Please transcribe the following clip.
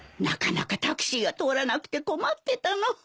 なかなかタクシーが通らなくて困ってたの。